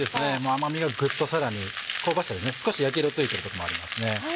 甘みがグッとさらに香ばしさで少し焼き色ついてるとこもありますね。